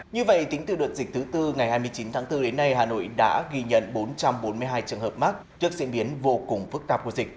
như vậy tính từ đợt dịch thứ tư ngày hai mươi chín tháng bốn đến nay hà nội đã ghi nhận bốn trăm bốn mươi hai trường hợp mắc trước diễn biến vô cùng phức tạp của dịch